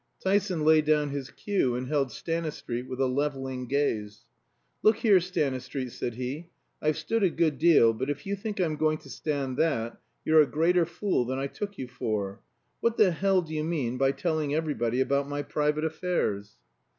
Tyson laid down his cue and held Stanistreet with a leveling gaze. "Look here, Stanistreet," said he, "I've stood a good deal, but if you think I'm going to stand that, you're a greater fool than I took you for. What the hell do you mean by telling everybody about my private affairs?"